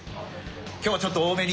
今日はちょっと多めに。